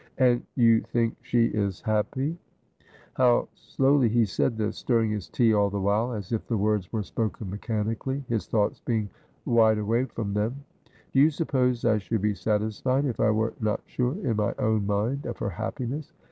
' And — you — think — she — is — happy ?' How slowly he said this, stirring his tea all the while, as if the words were spoken mechanically, his thoughts being wide away from them. ' Do you suppose I should be satisfied if I were not Sure, in my own mind, of her happiness